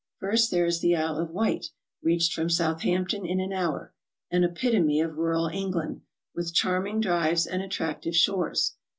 First there is the Isle of Wight, reached from Southampton in an hour, an epitome of rural England, with charming drives and attractive shores.